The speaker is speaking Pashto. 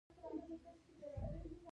ایا زه پړسوب لرم؟